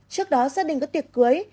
trước đó gia đình có tiệc cưới